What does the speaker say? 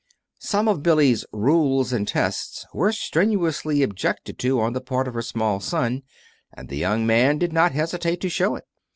Some of Billy's Rules and Tests were strenuously objected to on the part of her small son, and the young man did not hesitate to show it.